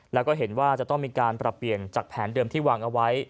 แล้วก็เห็นว่าจะต้องมีการปรับเปลี่ยนจากแผนเดิมที่วางเอาไว้